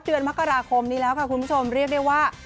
เดือนมกราคมนี้แล้วค่ะคุณผู้ชมเรียกได้ว่า